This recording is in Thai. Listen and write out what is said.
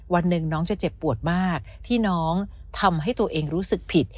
วันหนึ่งน้องจะเจ็บปวดมากที่น้องทำให้ตัวเองรู้สึกผิด